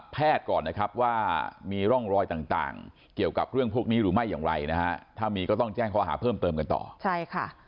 ก่อนนะครับว่ามีร่องรอยต่างต่างเกี่ยวกับเรื่องพวกนี้หรือไม่อย่างไรนะฮะถ้ามีก็ต้องแจ้งข้อหาเพิ่มเติมกันต่อใช่ค่ะ